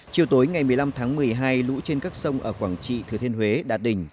chiều tối ngày một mươi năm tháng một mươi hai lũ trên các sông ở quảng trị thừa thiên huế đạt đỉnh